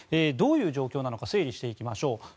どういう状況なのか整理していきましょう。